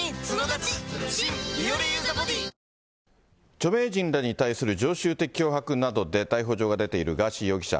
著名人らに対する常習的脅迫などで逮捕状が出ているガーシー容疑者。